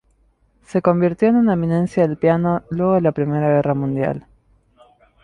Se convirtió en una eminencia del piano luego de la Primera Guerra Mundial.